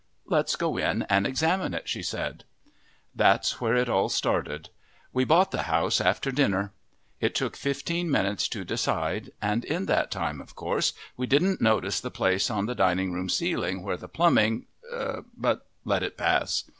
"Let's go in and examine it," she said. That's where it all started. We bought the house after dinner. It took fifteen minutes to decide, and in that time, of course, we didn't notice the place on the dining room ceiling where the plumbing but let it pass.